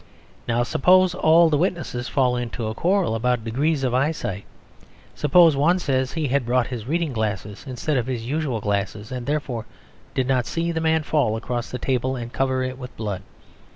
Now suppose all the witnesses fall into a quarrel about degrees of eyesight. Suppose one says he had brought his reading glasses instead of his usual glasses; and therefore did not see the man fall across the table and cover it with blood.